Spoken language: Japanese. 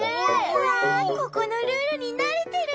うわここのルールになれてる。